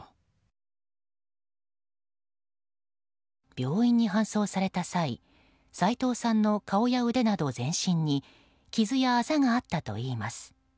病院に搬送された際斎藤さんの顔や腕など全身に傷やあざがあったといいます。